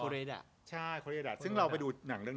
เราก็ได้เข้าไปดูในโรง